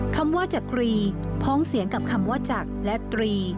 คำว่าจักรีพ้องเสียงกับคำว่าจักรและตรี